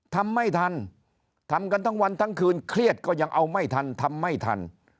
ทำไม่ทันทำกันทั้งวันทั้งคืนเครียดก็ยังเอาไม่ทันทำไม่ทัน